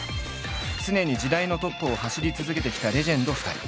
常に時代のトップを走り続けてきたレジェンド２人。